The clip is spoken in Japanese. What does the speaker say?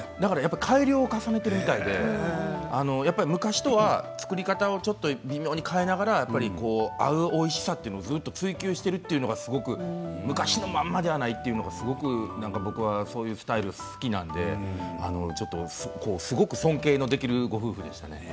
改良を重ねているみたいで昔とは作り方を微妙に変えながらおいしさをずっと追求しているというのが昔のままではないというのが僕はそういうスタイル好きなのですごく尊敬ができるご夫婦でした。